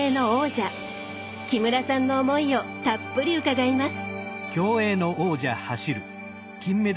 木村さんの思いをたっぷり伺います。